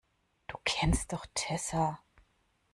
Du kennst doch Tessa.